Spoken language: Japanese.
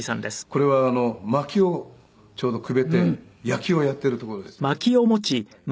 これはマキをちょうどくべて焼きをやっているところですね。